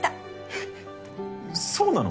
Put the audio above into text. えっそうなの？